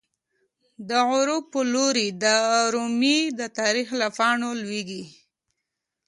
دغروب په لوری درومی، د تاریخ له پاڼو لویږی